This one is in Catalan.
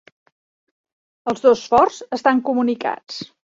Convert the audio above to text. Els dos forts estan comunicats.